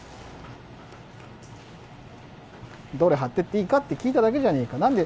どれ貼っていっていいかと聞いただけじゃねぇか。